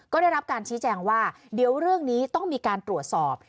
ก็ได้รับการชี้แจงว่าเดี๋ยวเรื่องนี้ต้องมีการตรวจสอบ